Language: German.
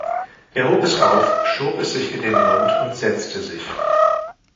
Er hob es auf, schob es sich in den Mund, und setzte sich.